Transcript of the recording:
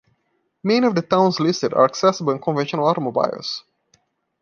Many of the towns listed are accessible in conventional automobiles.